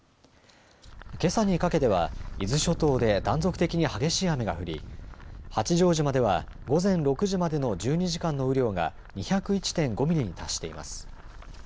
けさにかけでは伊豆諸島で断続的に激しい雨が降り八丈島では午前６時までの１２時間の雨量が２０１．５ミリに達しています。